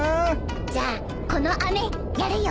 ［じゃあこのあめやるよ］